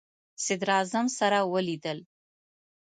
صدراعظم سره ولیدل.